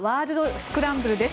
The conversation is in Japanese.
スクランブルです。